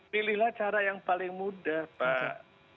pilihlah cara yang paling mudah pak